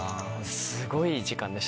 すごい時間でしたそれは。